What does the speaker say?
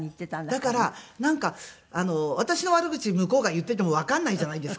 だからなんか私の悪口向こうが言っててもわかんないじゃないですか。